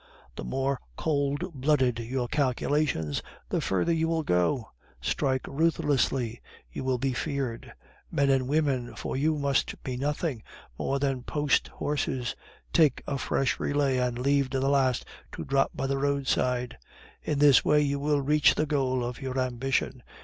The more cold blooded your calculations, the further you will go. Strike ruthlessly; you will be feared. Men and women for you must be nothing more than post horses; take a fresh relay, and leave the last to drop by the roadside; in this way you will reach the goal of your ambition.